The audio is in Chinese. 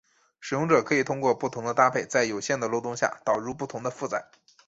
使用者可以通过不同的搭配在有限的漏洞下导入不同的负载。